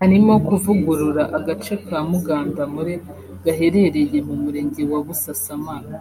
harimo kuvugurura agace ka Mugandamure gaherereye mu Murenge wa Busasamana